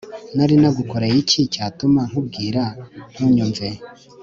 nari nagukoreye iki cyatuma nkubwira ntunyumve